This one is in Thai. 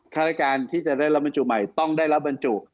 ภายการที่จะได้แล้วมันจุใหม่ต้องได้แล้วมันจุ